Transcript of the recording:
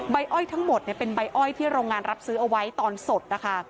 อ้อยทั้งหมดเป็นใบอ้อยที่โรงงานรับซื้อเอาไว้ตอนสดนะคะ